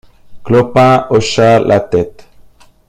Clopin hocha la tête.